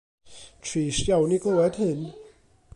Trist iawn i glywed hyn.